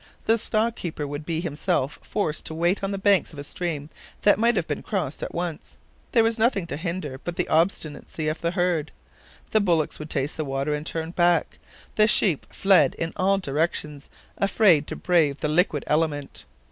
The stock keeper would be himself forced to wait on the banks of a stream that might have been crossed at once. There was nothing to hinder but the obstinacy of the herd. The bullocks would taste the water and turn back. The sheep fled in all directions, afraid to brave the liquid element.